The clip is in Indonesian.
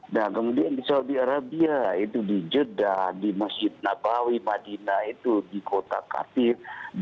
nah kemudian di saudi arabia itu di jeddah di masjid nabawi madinah itu di kota katir